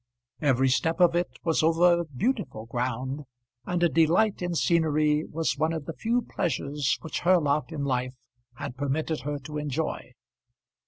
Every step of it was over beautiful ground, and a delight in scenery was one of the few pleasures which her lot in life had permitted her to enjoy.